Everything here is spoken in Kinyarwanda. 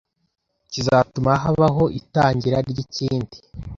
kizatuma habaho itangira ry’ikindi